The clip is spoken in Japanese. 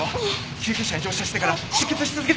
救急車に乗車してから出血し続けています！